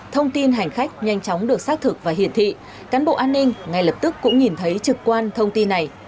thông tin hành khách nhanh chóng được xác thực và hiển thị cán bộ an ninh ngay lập tức cũng nhìn thấy trực quan thông tin này